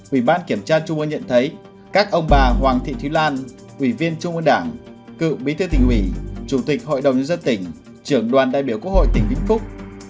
ủy ban kiểm tra trung ương nhận thấy các ông bà hoàng thị thúy lan ủy viên trung ương đảng cựu bí thư tỉnh ủy chủ tịch hội đồng nhân dân tỉnh trưởng đoàn đại biểu quốc hội tỉnh vĩnh phúc